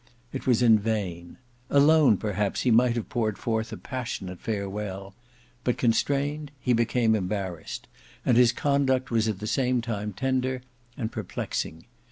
It was in vain. Alone, perhaps he might have poured forth a passionate farewell. But constrained he became embarrassed; and his conduct was at the same time tender and perplexing.